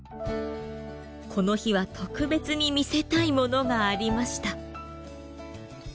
この日は特別に見せたいものがありました。